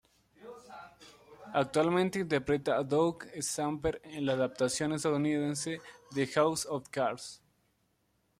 Actualmente interpreta a Doug Stamper en la adaptación estadounidense de "House of Cards".